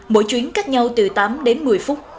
mỗi chuyến cách nhau từ tám đến một mươi phút